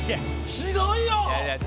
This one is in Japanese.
ひどいよ！